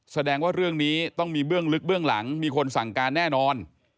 แสดงว่าเรื่องนี้ต้องมีเบื้องลึกเบื้องหลังมีคนสั่งการแน่นอน